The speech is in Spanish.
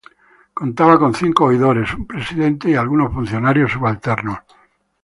Contaba con cinco oidores, un presidente y algunos funcionarios subalternos.